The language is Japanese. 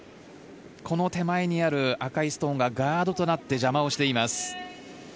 この手前にある赤いストーンがガードとなって邪魔をしています。